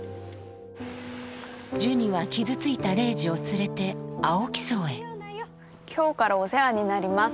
ジュニは傷ついたレイジを連れて青木荘へ今日からお世話になります。